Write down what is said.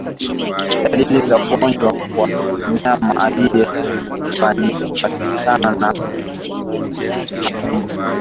Dalili za ugonjwa kwa mnyama aliyekufa ni kupatikana kwa minyoo kwenye utumbo